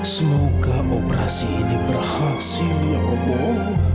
semoga operasi ini berhasil ya allah